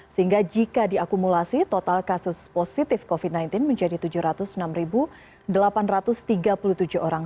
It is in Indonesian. sehingga jika diakumulasi total kasus positif covid sembilan belas menjadi tujuh ratus enam delapan ratus tiga puluh tujuh orang